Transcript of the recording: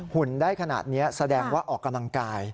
หุ่นได้ขนาดนี้แสดงว่าออกกำลังกาย